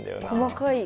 細かい。